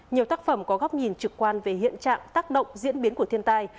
nhiều tác phẩm có góc nhìn trực quan về hiện trạng tác động diễn biến của thiên tai